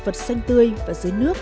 vật xanh tươi và dưới nước